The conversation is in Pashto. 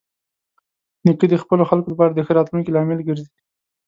نیکه د خپلو خلکو لپاره د ښه راتلونکي لامل ګرځي.